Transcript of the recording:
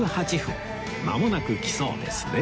まもなく来そうですね